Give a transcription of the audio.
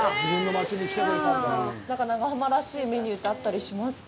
何か、長浜らしいメニューってあったりしますか？